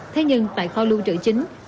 thế nhưng tại kho lưu trữ chính